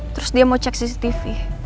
terus dia mau cek cctv